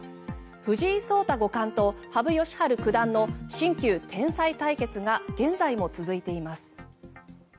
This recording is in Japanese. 藤井聡太五冠と羽生善治九段の新旧天才対決が現在も続いています。